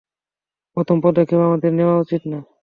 প্রথম পদক্ষেপ আমাদের নেয়া উচিত না।